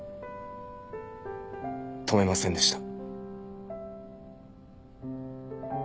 止めませんでした。